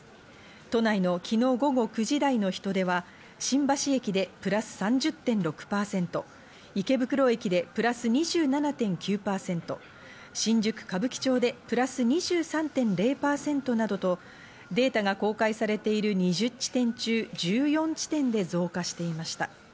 都内の昨日午後９時台の人出は、新橋駅でプラス３０．６％、池袋駅でプラス２７．９％、新宿・歌舞伎町でプラス２３．０％などとデータが公開されている２０地点中１４地点で増加していました。